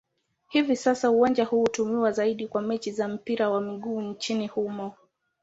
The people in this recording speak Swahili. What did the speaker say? Hivi sasa uwanja huu hutumiwa zaidi kwa mechi za mpira wa miguu nchini humo.